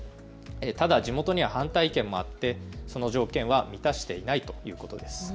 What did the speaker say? ただ地元には反対意見もあってその条件は満たしていないということです。